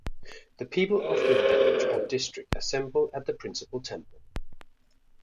The people of the village or district assemble at the principal temple.